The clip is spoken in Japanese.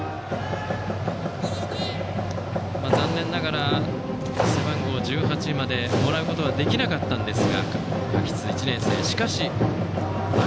残念ながら背番号１８までもらうことはできなかったんですが１年生の垣津。